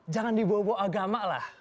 jangan dibawa bawa agama lah